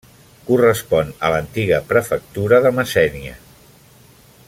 Correspon a l'antiga prefectura de Messènia.